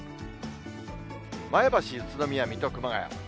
前橋、宇都宮、水戸、熊谷。